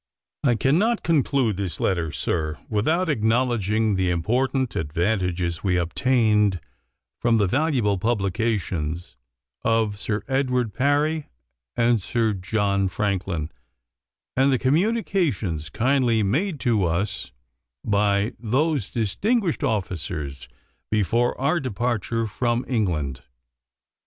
I cannot conclude this letter, sir, without acknowledging the important advantages we obtained from the valuable publications of Sir Edward Parry and Sir John Franklin, and the communications kindly made to us by those distinguished officers before our departure from England.